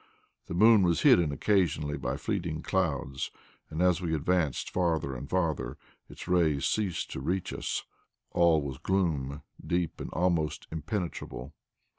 The moon was hidden occasionally by fleeting clouds, and as we advanced farther and farther, its rays ceased to reach us. All was gloom, deep and almost impenetrable.